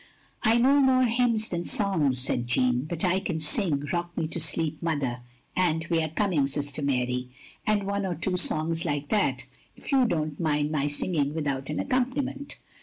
"" I know more hymns than songs, " said Jeanne, "but I can sing *Rock me to Sleep, Mother,' and * We are coming, Sister Mary, ' and one or two songs like that, if you don't mind my singing without an accompaniment?"